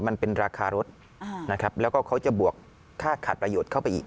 มันเป็นราคารถนะครับแล้วก็เขาจะบวกค่าขาดประโยชน์เข้าไปอีก